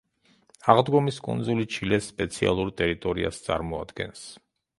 აღდგომის კუნძული ჩილეს სპეციალურ ტერიტორიას წარმოადგენს.